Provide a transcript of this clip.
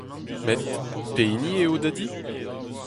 Met … pehini eo da di ?